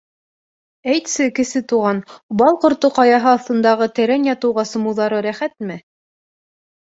Әйтсе, Кесе Туған, Бал ҡорто ҡаяһы аҫтындағы тәрән ятыуға сумыуҙары рәхәтме?